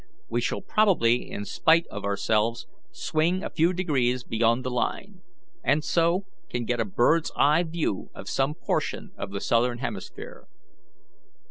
We shall probably, in spite of ourselves, swing a few degrees beyond the line, and so can get a bird's eye view of some portion of the southern hemisphere."